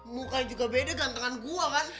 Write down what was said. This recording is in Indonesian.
mukanya juga beda kan dengan gua kan